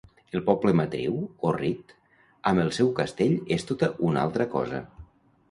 El poble matriu, Orrit, amb el seu castell és tota una altra cosa.